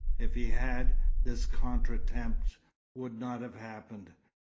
If he had, this contretemps would not have happened.